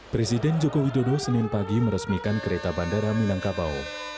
presiden joko widodo senin pagi meresmikan kereta bandara minangkabau